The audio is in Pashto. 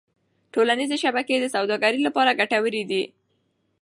ټولنيزې شبکې د سوداګرۍ لپاره ګټورې دي.